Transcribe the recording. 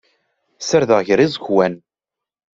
Serdeɣ gar yiẓekwan.